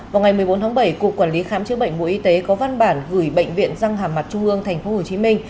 vào ngày một mươi bốn tháng bảy cục quản lý khám chữa bệnh bộ y tế có văn bản gửi bệnh viện răng hàm mặt trung ương tp hcm